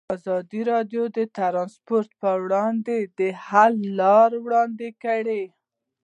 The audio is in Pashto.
ازادي راډیو د ترانسپورټ پر وړاندې د حل لارې وړاندې کړي.